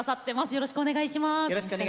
よろしくお願いします。